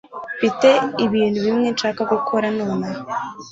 mfite ibintu bimwe nshaka gukora nonaha